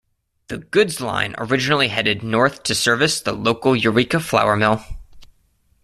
The goods line originally headed north to service the local Eureka flour mill.